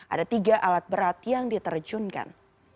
ada tiga alat berat yang diterjunkan